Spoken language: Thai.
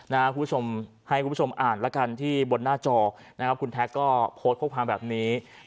ให้คุณผู้ชมอ่านแล้วกันที่บนหน้าจอคุณแท็กก็โพสต์พูดความแบบนี้